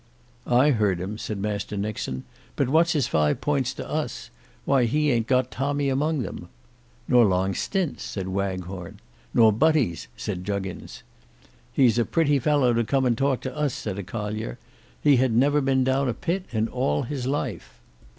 "I heard him," said Master Nixon, "but what's his Five Points to us? Why he ayn't got tommy among them." "Nor long stints," said Waghorn. "Nor butties," said Juggins. "He's a pretty fellow to come and talk to us," said a collier. "He had never been down a pit in all his life."